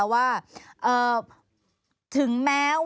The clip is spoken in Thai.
แบบที่แบบเอ่อ